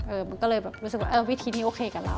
มันก็เลยแบบรู้สึกว่าวิธีนี้โอเคกับเรา